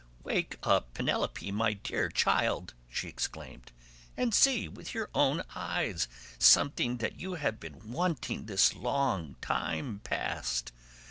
"Wake up Penelope, my dear child," she exclaimed, "and see with your own eyes something that you have been wanting this long time past.